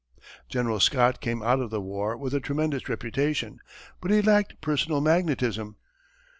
General Scott came out of the war with a tremendous reputation; but he lacked personal magnetism.